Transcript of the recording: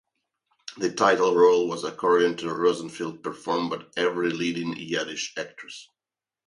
The title role was, according to Rosenfeld, "performed by every leading Yiddish actress".